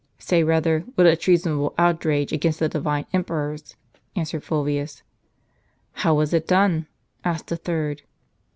" Say rather, what a treasonable outrage against the divine emperors !" answered Fulvius. " How was it done ?" asked a third.